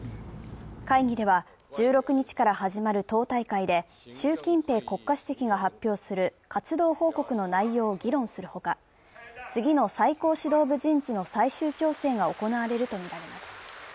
会議では１６日から始まる党大会で、習近平国家主席が発表する活動報告の内容を議論するほか、次の最高指導部の人事の最終調整が行われるとみられます。